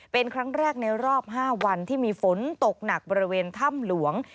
เป็นครั้งแรกในรอบ๕วันที่มีฝนตกหนักบริเวณถ้ำหลวง